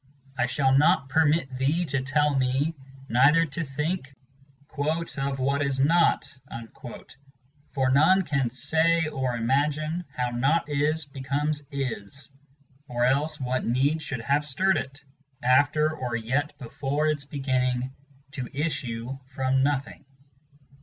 I shall not permit thee to tell me, Neither to think: ' Of what is not,' for none can say or imagine How Not Is becomes Is ; or else what need should have stirred it, After or yet before its beginning, to issue from nothing?